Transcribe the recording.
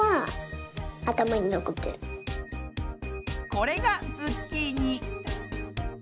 これがズッキーニ。